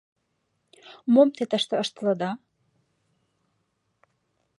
— Мом те тыште ыштылыда?